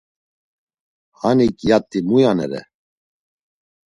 Hanik yat̆i muya’nere?